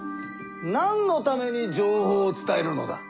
なんのために情報を伝えるのだ？